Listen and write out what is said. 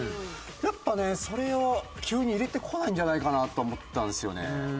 やっぱねそれを急に入れてこないんじゃないかなと思ったんですよね。